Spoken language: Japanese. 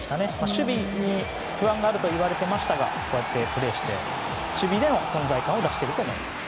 守備に不安があるといわれていましたがプレーして守備での存在感を出していると思います。